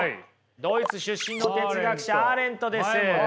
ドイツ出身の哲学者アーレントです。